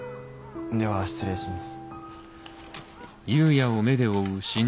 では失礼します。